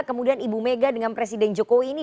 kemudian ibu mega dengan presiden jokowi ini